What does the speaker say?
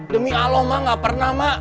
demi allah ma gak pernah ma